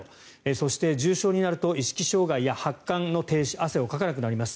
そして、重症になると意識障害や発汗の停止汗をかかなくなります。